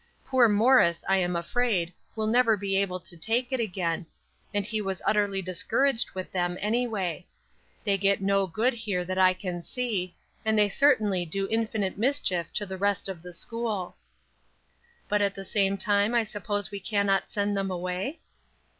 Poor Morris, I am afraid, will never be able to take it again; and he was utterly discouraged with them, anyway. They get no good here that I can see; and they certainly do infinite mischief to the rest of the school." "But at the same time I suppose we cannot send them away?"